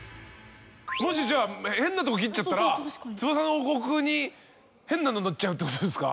もしじゃあ変なとこ切っちゃったら『翼の王国』に変なの載っちゃうってことですか？